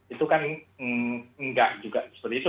itu kan enggak juga seperti itu